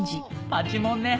パチモンね。